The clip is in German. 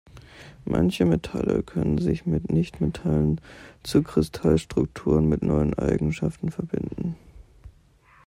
Manche Metalle können sich mit Nichtmetallen zu Kristallstruktur mit neuen Eigenschaften verbinden.